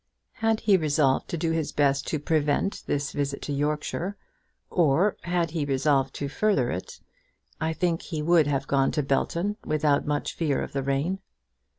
Had he resolved to do his best to prevent this visit to Yorkshire, or had he resolved to further it, I think he would have gone to Belton without much fear of the rain.